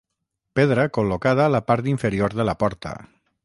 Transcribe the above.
Pedra col·locada a la part inferior de la porta.